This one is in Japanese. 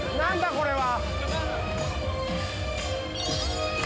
これは。